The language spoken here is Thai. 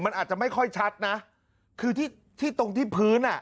มันอาจจะไม่ค่อยชัดนะคือที่ที่ตรงที่พื้นอ่ะ